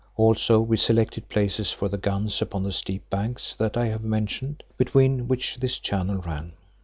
Also we selected places for the guns upon the steep banks that I have mentioned, between which this channel ran.